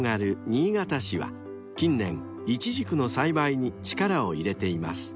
新潟市は近年イチジクの栽培に力を入れています］